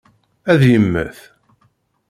Ad yemmet?